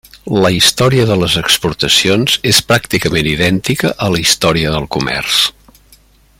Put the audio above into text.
La història de les exportacions és pràcticament idèntica a la història del comerç.